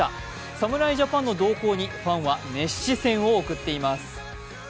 侍ジャパンの動向にファンは熱視線を送っています。